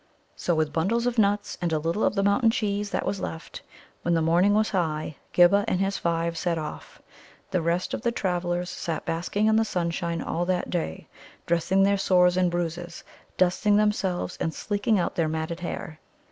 So, with bundles of nuts and a little of the mountain cheese that was left, when the morning was high, Ghibba and his five set off. The rest of the travellers sat basking in the sunshine all that day, dressing their sores and bruises, dusting themselves, and sleeking out their matted hair.